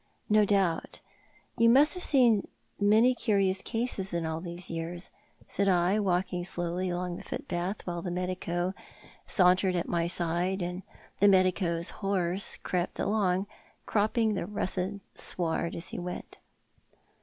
" No doubt. You must have seerv many curious cases in all these years," said I, walking slowly along the footpath, while the medico sauntered at my side, and the medico's horse crept along, crojiping the russet sward as he went.